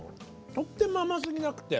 とっても甘すぎなくて。